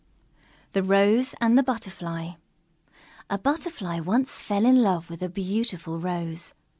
_ THE ROSE AND THE BUTTERFLY A Butterfly once fell in love with a beautiful Rose.